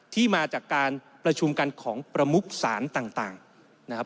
ที่มาจากการประชุมกันของประมุกศาลต่างนะครับ